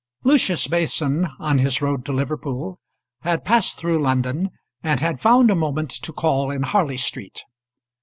Lucius Mason on his road to Liverpool had passed through London, and had found a moment to call in Harley Street.